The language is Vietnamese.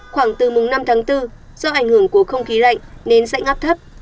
khoảng từ mùng năm tháng bốn do ảnh hưởng của không khí lạnh nên dãy ngắp thấp